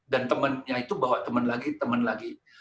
dan temannya itu bawa teman lagi teman lagi